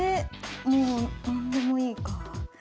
もう何でもいいか。